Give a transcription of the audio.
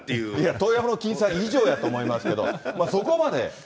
遠山の金さん以上やと思いますけど、そこまで。